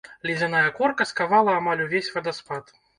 Ледзяная корка скавала амаль увесь вадаспад.